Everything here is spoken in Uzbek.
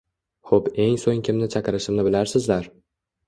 Hop eng so‘ng kimni chaqirishimni bilasizlar.